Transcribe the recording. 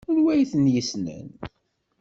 Anwa ay t-yessnen?